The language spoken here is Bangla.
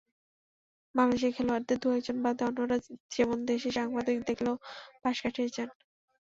বাংলাদেশের খেলোয়াড়দের দু-একজন বাদে অন্যরা যেমন দেশি সাংবাদিক দেখলেও পাশ কাটিয়ে যান।